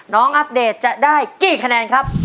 อัปเดตจะได้กี่คะแนนครับ